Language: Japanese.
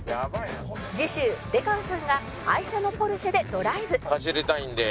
次週出川さんが愛車のポルシェでドライブ走りたいんで。